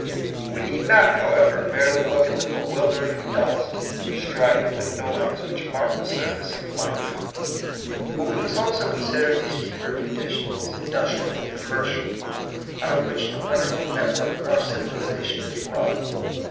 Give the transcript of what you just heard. We need not, however, merely look at the bewildering dust, strife, and noise which mark the surface of life; but we 14 THB COMING PBOPLE. must alflo consider those deeper conditions, industrial and commercial, out of which the wonderful network of our civilization is wrought.